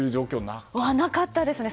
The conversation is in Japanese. なかったですね。